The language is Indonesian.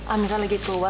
amira lagi keluar